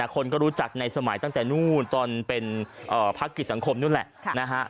คนก็รู้จักในสมัยตั้งแต่นู่นตอนเป็นพักกิจสังคมนู่นแหละนะฮะ